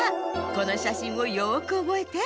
このしゃしんをよくおぼえて。